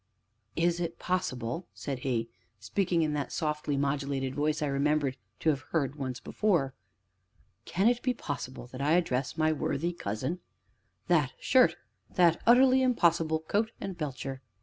"Is it possible?" said he, speaking in that softly modulated voice I remembered to have heard once before. "Can it be possible that I address my worthy cousin? That shirt! that utterly impossible coat and belcher!